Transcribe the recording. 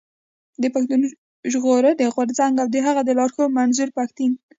د پښتون ژغورني غورځنګ او د هغه د لارښود منظور پښتين.